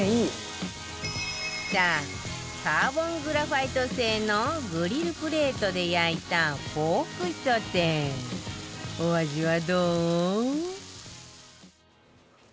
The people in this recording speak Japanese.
さあカーボングラファイト製のグリルプレートで焼いたポークソテーお味はどう？